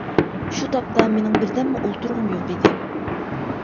شۇ تاپتا مېنىڭ بىردەممۇ ئولتۇرغۇم يوق ئىدى.